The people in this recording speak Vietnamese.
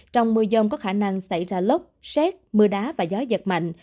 trong mưa dông có khả năng xảy ra lốc xét mưa đá và gió giật mạnh